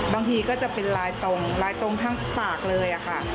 บางทีก็จะเป็นลายตรงลายตรงทั้งปากเลยค่ะ